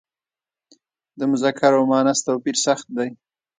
د مذکر او مونث توپیر سخت دی.